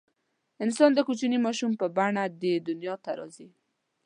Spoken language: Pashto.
انسان د کوچني ماشوم په بڼه دې دنیا ته راځي.